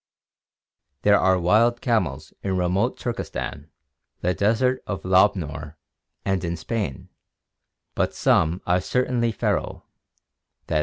There are wild camels in remote Turkestan, the desert ' f Lob nor, and in Spain, but some are certainly feral, *.